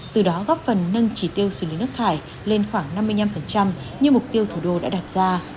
từ đó góp phần nâng chỉ tiêu xử lý nước thải lên khoảng năm mươi năm như mục tiêu thủ đô đã đặt ra